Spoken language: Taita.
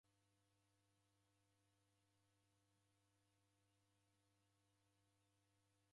W'ekunda umerie miaka yape kazinyi na sere.